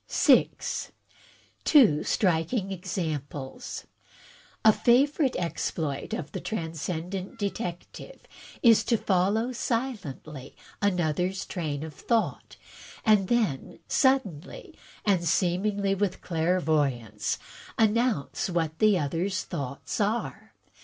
6, Two Striking Examples A favorite exploit of the Transcendent Detective, is to follow silently another's train of thought; and then suddenly and seemingly with clairvoyance, announce what the other's thoughts are.